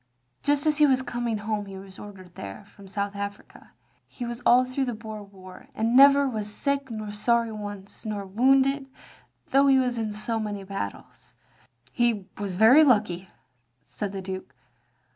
Just as he was coming home he was ordered there, from South Africa. He was all through the Boer War. And never was sick nor sorry once, nor wotinded, though he was in so many battles. " "He was very lucky," said the Duke.